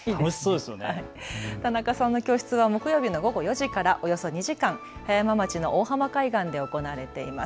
田中さんの教室は木曜日の午後４時からおよそ２時間、葉山町の大浜海岸で行われています。